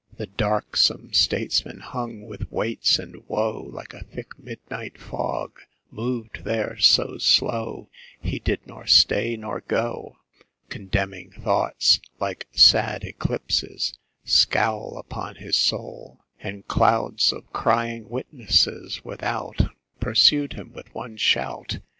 2. The darksome statesman hung with weights and woe Like a thick midnight fog mov'd there so slow He did nor stay, nor go; Condemning thoughts (like sad eclipses) scowl Upon his soul, And clouds of crying witnesses without Pursued him with one shout.